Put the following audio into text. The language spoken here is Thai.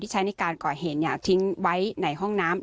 ใช้ในการก่อเหตุทิ้งไว้ในห้องน้ำ